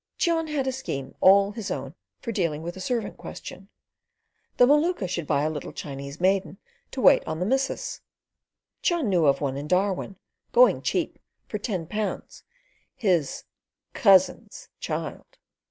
Cheon had a scheme all his own for dealing with the servant question: the Maluka should buy a little Chinese maiden to wait on the missus. Cheon knew of one in Darwin, going cheap, for ten pounds, his—COUSIN's child.